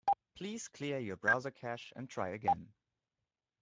Please clear your browser cache and try again.